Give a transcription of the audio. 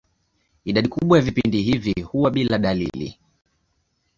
Idadi kubwa ya vipindi hivi huwa bila dalili.